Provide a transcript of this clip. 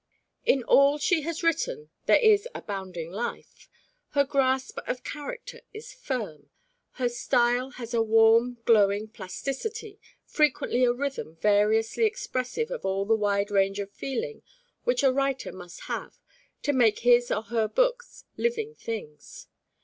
In all she has written there is abounding life; her grasp of character is firm; her style has a warm, glowing plasticity, frequently a rhythm variously expressive of all the wide range of feeling which a writer must have to make his or her books living things.